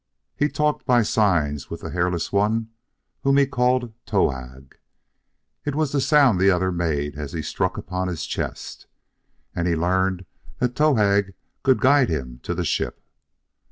He talked by signs with the hairless one whom he called Towahg. It was the sound the other made as he struck upon his chest. And he learned that Towahg could guide him to the ship.